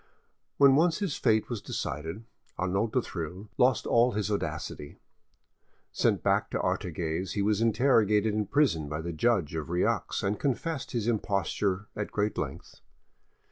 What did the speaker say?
When once his fate was decided, Arnauld du Thill lost all his audacity. Sent back to Artigues, he was interrogated in prison by the judge of Rieux, and confessed his imposture at great length.